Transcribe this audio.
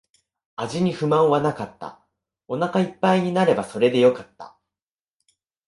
味に不満はなかった。お腹一杯になればそれでよかった。